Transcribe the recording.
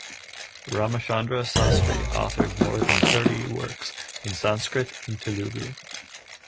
Ramachandra Sastri authored more than thirty works in Sanskrit and Telugu.